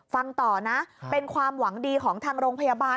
ฟังต่อนะเป็นความหวังดีของทางโรงพยาบาล